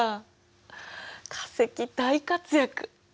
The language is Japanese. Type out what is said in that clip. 化石大活躍！